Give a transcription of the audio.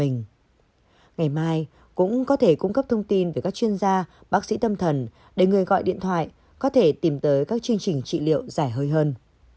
ngày mai cũng có thể cung cấp thông tin về các chuyên gia bác sĩ tâm thần để người gọi điện thoại có thể tìm tới các chương trình trị liệu giải hơi hơn